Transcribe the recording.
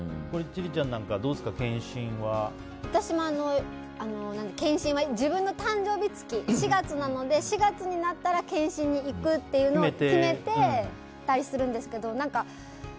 千里ちゃんなんか私も検診は自分の誕生日月４月なので、４月になったら検診に行くというのを決めてたりするんですけど。